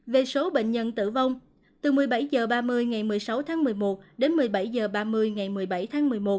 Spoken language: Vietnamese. về số bệnh nhân tử vong từ một mươi bảy h ba mươi ngày một mươi sáu tháng một mươi một đến một mươi bảy h ba mươi ngày một mươi bảy tháng một mươi một